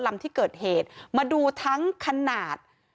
ลำที่เกิดเหตุมาดูทั้งขนาด